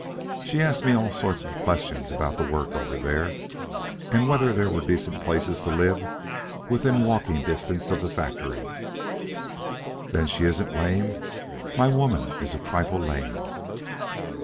She asked me all sorts of questions about the work over there, and whether there were decent places to live in within walking distance of the factory." "Then she isn't lame? My woman is a trifle lame."